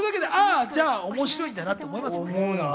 これだけで、あ、じゃあ面白いんだなって思いますよね。